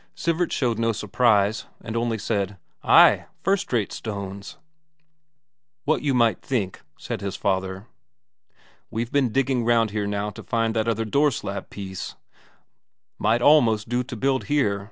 Sivert showed no surprise, and only said: "Ay, first rate stones." "What you might think," said his father. "We've been digging round here now to find that other door slab piece; might almost do to build here.